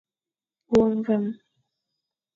Wôkh mvam.